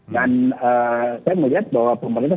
dan saya melihat bahwa pemerintah